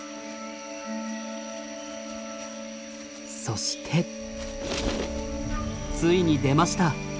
そしてついに出ました。